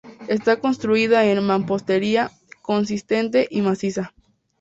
Está construida en mampostería, consistente y maciza.